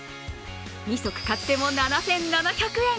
２足買っても７７００円。